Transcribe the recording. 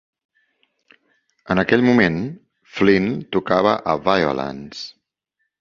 En aquell moment, Flynn tocava a Vio-Lence.